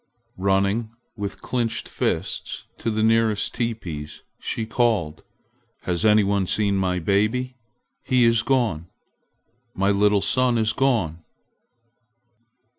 Running with clinched fists to the nearest teepees, she called: "Has any one seen my baby? He is gone! My little son is gone!"